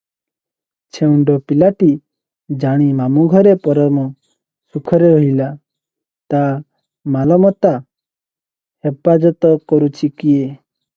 ଛେଉଣ୍ଡ ପିଲାଟି ଜାଣି ମାମୁ ଘରେ ପରମ ସୁଖରେ ରହିଲା, ତା ମାଲମତା ହେପାଜତ କରୁଛି କିଏ?